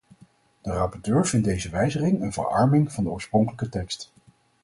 De rapporteur vindt deze wijzigingen een verarming van de oorspronkelijke tekst.